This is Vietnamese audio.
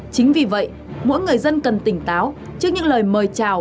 chính vì vậy mỗi người dân cần tỉnh táo trước những lời mời chào